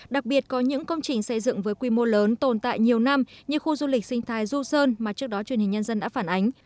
đặc biệt có những công trình xây dựng với quy mô lớn tồn tại nhiều năm như khu du lịch sinh thái du sơn mà trước đó truyền hình nhân dân đã phản ánh